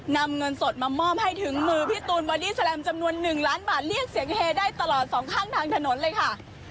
นำเงินสดมามอบให้ถึงมือพี่ตูนบอดี้แลมจำนวน๑ล้านบาทเรียกเสียงเฮได้ตลอดสองข้างทางถนนเลยค่ะ